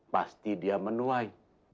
pasti dia menuai